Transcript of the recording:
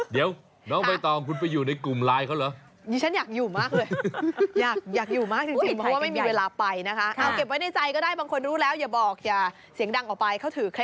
เดี๋ยวน้องใบตองคุณไปอยู่ในกลุ่มไลน์เขาเหรอ